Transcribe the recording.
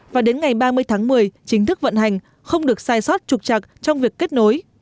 và đến ngày ba mươi tháng một mươi chính thức vận hành không được sai sót trục chặt trong việc kết nối